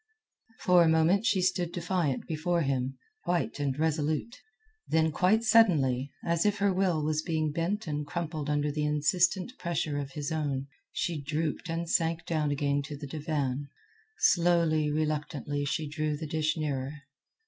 For a moment she stood defiant before him, white and resolute. Then quite suddenly, as if her will was being bent and crumpled under the insistent pressure of his own, she drooped and sank down again to the divan. Slowly, reluctantly she drew the dish nearer.